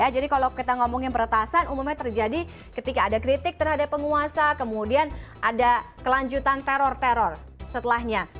jadi kalau kita ngomongin peretasan umumnya terjadi ketika ada kritik terhadap penguasa kemudian ada kelanjutan teror teror setelahnya